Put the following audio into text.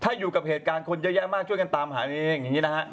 ถ้าอยู่กับเหตุการณ์คนเยอะมากช่วยกันตามหาเอง